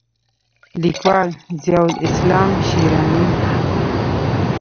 لیکوال: ضیاءالاسلام شېراني